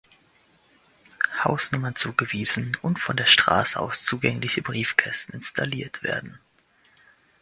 Hausnummern zugewiesen und von der Straße aus zugängliche Briefkästen installiert werden.